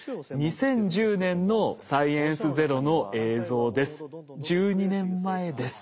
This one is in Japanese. ２０１０年の「サイエンスＺＥＲＯ」の映像です。